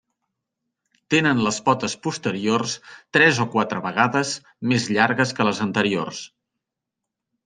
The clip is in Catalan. Tenen les potes posteriors tres o quatre vegades més llargues que les anteriors.